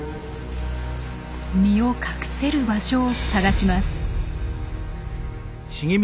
身を隠せる場所を探します。